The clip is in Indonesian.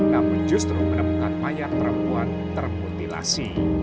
namun justru menemukan mayat perempuan termutilasi